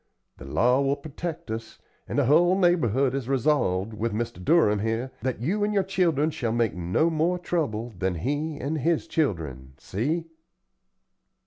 The law will protect us, an' the hull neighborhood has resolved, with Mr. Durham here, that you and your children shall make no more trouble than he and his children. See?"